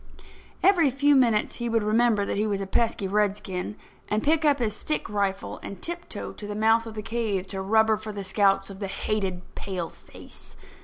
Every few minutes he would remember that he was a pesky redskin, and pick up his stick rifle and tiptoe to the mouth of the cave to rubber for the scouts of the hated paleface.